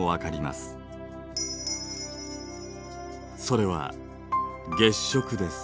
それは「月食」です。